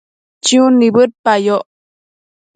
chiun nibëdpayoc